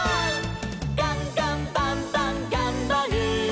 「ガンガンバンバンがんばる！」